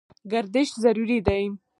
ګردش ضروري دی.